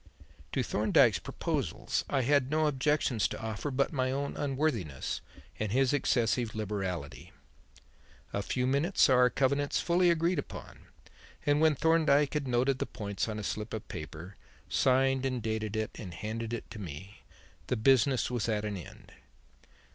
To Thorndyke's proposals I had no objections to offer but my own unworthiness and his excessive liberality. A few minutes saw our covenants fully agreed upon, and when Thorndyke had noted the points on a slip of paper, signed and dated it and handed it to me, the business was at an end.